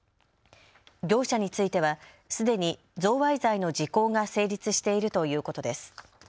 業者についてはすでに贈賄罪の時効が成立しているということです。